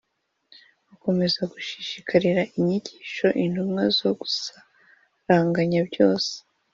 Bakomeza gushishikarira inyigisho z intumwa no gusaranganya byose